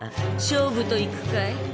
勝負といくかい？